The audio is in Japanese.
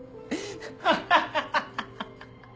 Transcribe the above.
ハハハハハ！